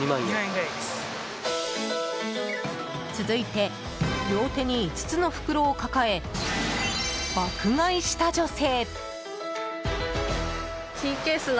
続いて、両手に５つの袋を抱え爆買いした女性。